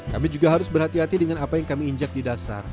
kami juga harus berhati hati dengan apa yang kami injak di dasar